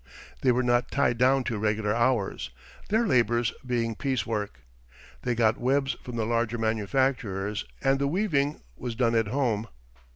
They were not tied down to regular hours, their labors being piece work. They got webs from the larger manufacturers and the weaving was done at home.